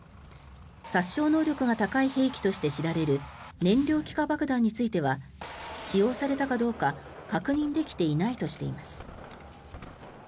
殺傷能力が高い兵器として知られる燃料気化爆弾については使用されたかどうか確認できていないとしています。